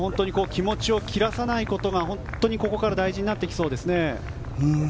気持ちを切らさないことが本当に、ここから大事になってきそうですね。